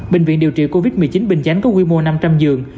bệnh viện điều trị covid một mươi chín bình chánh có quy mô năm trăm linh giường